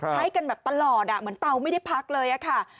ใช้กันแบบตลอดเหมือนเตาไม่ได้พักเลยค่ะ